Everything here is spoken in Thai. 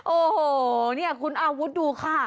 โอ้โหเนี่ยคุณอาวุธดูค่ะ